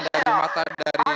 dari masa dari